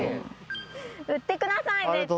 売ってください絶対。